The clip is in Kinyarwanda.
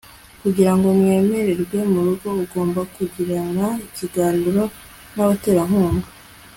Kugirango wemererwe murugo ugomba kugirana ikiganiro nabaterankunga